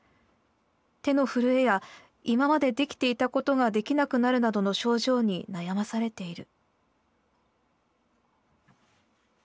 手の震えや今までできていたことができなくなるなどの症状に悩まされている」。